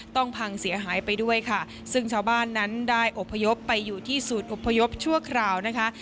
พังเสียหายไปด้วยค่ะซึ่งชาวบ้านนั้นได้อบพยพไปอยู่ที่ศูนย์อบพยพชั่วคราวนะคะ